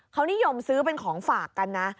เขานิยมซื้อเป็นของฝากกันนะ